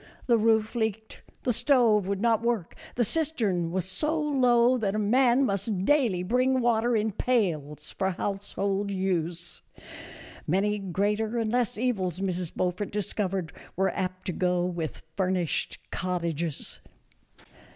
The roof leaked, the stove would not work, the cistern was so low that a man must daily bring water in pails for household use. Many greater and less evils Mrs. Beaufort discovered were apt to go with furnished cottages.